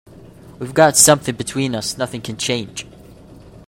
We've got something between us nothing can change.